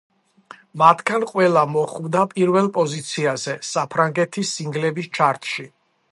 მათგან ყველა მოხვდა პირველ პოზიციაზე საფრანგეთის სინგლების ჩარტში.